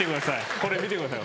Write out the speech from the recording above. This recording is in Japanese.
これ見てください。